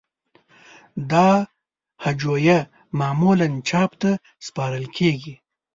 دا هجویه معمولاً چاپ ته سپارل کیږی.